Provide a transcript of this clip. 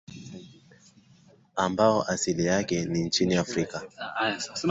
ambao asili yake ni nchini afrika